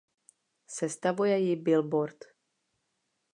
Sestavuje ji "Billboard".